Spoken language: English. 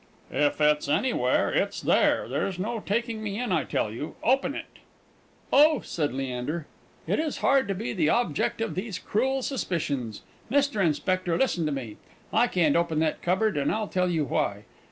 "If it's anywhere, it's there! There's no taking me in, I tell you. Open it!" "Oh!" said Leander, "it is hard to be the object of these cruel suspicions. Mr. Inspector, listen to me. I can't open that cupboard, and I'll tell you why....